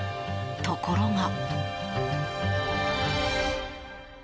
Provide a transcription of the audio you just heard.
ところが。